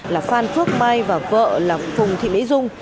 là phan phước mai và vợ là phùng thị mỹ dung